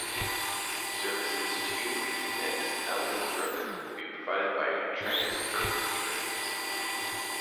Services to and Ellenbrook will be provided by Transperth Trains.